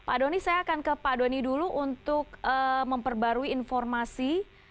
pak doni saya akan ke pak doni dulu untuk memperbarui informasi